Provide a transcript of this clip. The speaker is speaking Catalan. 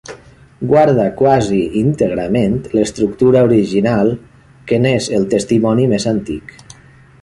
Guarda quasi íntegrament l'estructura original, que n'és el testimoni més antic.